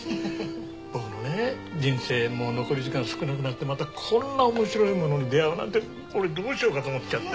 僕もね人生もう残り時間少なくなってまたこんなおもしろいものに出会うなんて俺どうしようかと思っちゃって。